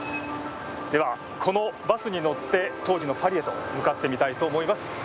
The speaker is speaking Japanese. では、このバスに乗って当時のパリへと向かってみたいと思います。